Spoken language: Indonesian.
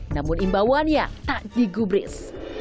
namun imbauannya tak digubris